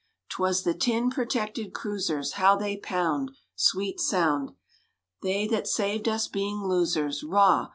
'Twas the tin protected cruisers—How they pound! (Sweet sound!) They that saved us being losers—Rah!